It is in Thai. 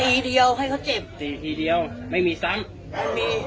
ทีเดียวให้เขาเจ็บตีทีเดียวไม่มีซ้ำไม่มี